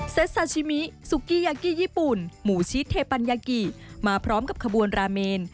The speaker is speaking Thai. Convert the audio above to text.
ซาชิมิซุกี้ยากี้ญี่ปุ่นหมูชีสเทปัญญากิมาพร้อมกับขบวนราเมน